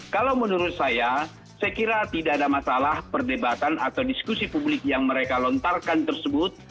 kalau menurut saya saya kira tidak ada masalah perdebatan atau diskusi publik yang mereka lontarkan tersebut